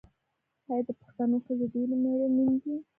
آیا د پښتنو ښځې ډیرې میړنۍ نه دي؟